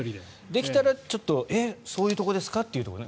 できたらえっ、そういうところですか？というところね。